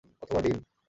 অথবা ডিম।